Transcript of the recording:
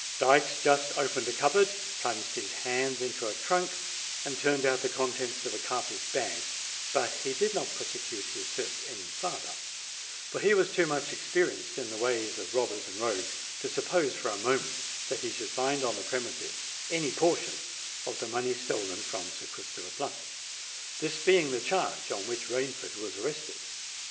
Dykes just opened a cupboard, plunged his hands into a trunk, and turned out the contents of a carpet bag: but he did not prosecute his search any farther; for he was too much experienced in the ways of robbers and rogues to suppose for a moment that he should find on the premises any portion of the money stolen from Sir Christopher Blunt,—this being the charge on which Rainford was arrested.